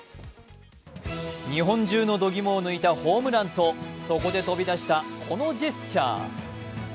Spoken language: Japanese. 日本中の度肝を抜いたホームランとそこで飛び出したこのジェスチャー。